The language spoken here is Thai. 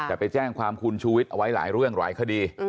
แต่ไปแจ้งความคุณชูวิทย์เอาไว้หลายเรื่องหลายคดี